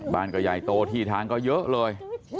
บ้านก็ใหญ่โตที่ทางก็เยอะเลย